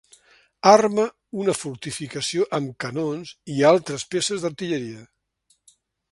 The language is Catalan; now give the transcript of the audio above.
Arma una fortificació amb canons i altres peces d'artilleria.